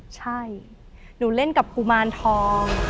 ใช่หนูเล่นกับกุมารทอง